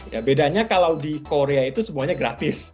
ya bedanya kalau di korea itu semuanya gratis